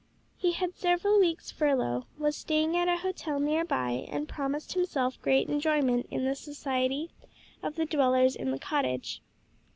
He had several weeks' furlough, was staying at a hotel near by, and promised himself great enjoyment in the society of the dwellers in the cottage.